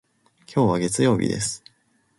今日は月曜日です。